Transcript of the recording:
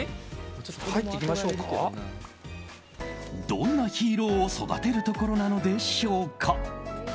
どんなヒーローを育てるところなのでしょうか。